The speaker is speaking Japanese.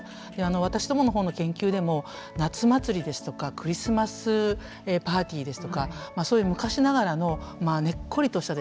私どもの方の研究でも夏祭りですとかクリスマスパーティーですとかそういう昔ながらのねっこりとしたですね